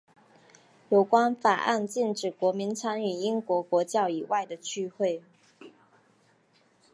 有关法案禁止国民参与英国国教以外的聚会。